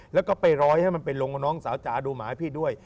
แล้วก็ไปร้อยให้มันไปลงกับน้องสาวจ๋าดูหมาพี่ด้วย